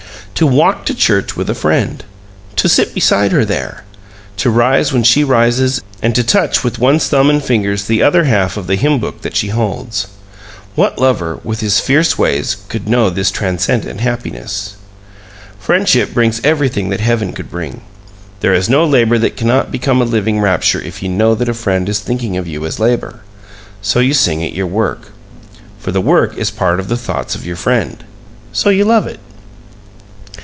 To walk to church with a friend! To sit beside her there! To rise when she rises, and to touch with one's thumb and fingers the other half of the hymn book that she holds! What lover, with his fierce ways, could know this transcendent happiness? Friendship brings everything that heaven could bring. There is no labor that cannot become a living rapture if you know that a friend is thinking of you as you labor. So you sing at your work. For the work is part of the thoughts of your friend; so you love it!